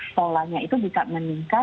polanya itu bisa meningkat